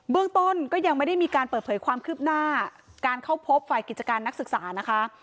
เรื่องต้นก็ยังไม่ได้มีการเปิดเผยความคืบหน้าการเข้าพบฝ่ายกิจการนักศึกษานะคะ